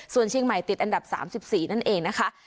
ส่วนเชียงใหม่ติดอันดับ๓๔นั่นเองนะคะ